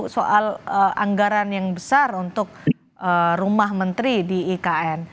soal anggaran yang besar untuk rumah menteri di ikn